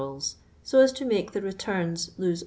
i, so as to make the return * Iomj